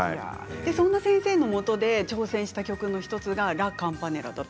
その先生のもとで挑戦した曲の１つが「ラ・カンパネラ」